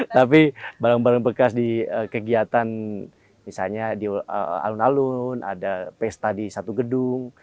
tapi barang barang bekas di kegiatan misalnya di alun alun ada pesta di satu gedung